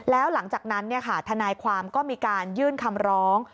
แล้วหลังจากนั้นทนายความก็มีการยื่นคำร้อง